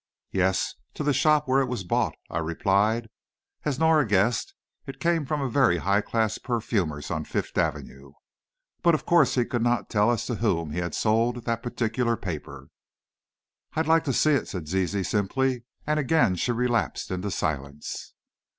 "Yes; to the shop where it was bought," I replied. "As Norah guessed, it came from a very high class perfumer's on Fifth Avenue. But of course he could not tell us to whom he had sold that particular paper." "I'd like to see it," said Zizi, simply, and again relapsed into silence.